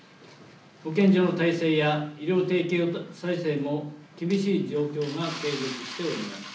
保健所の体制や医療提供体制も厳しい状況が継続しております。